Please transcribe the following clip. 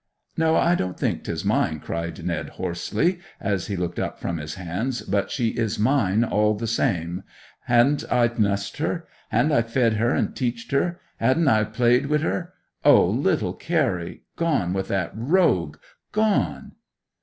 'No, I don't think 'tis mine!' cried Ned hoarsely, as he looked up from his hands. 'But she is mine, all the same! Ha'n't I nussed her? Ha'n't I fed her and teached her? Ha'n't I played wi' her? O, little Carry—gone with that rogue—gone!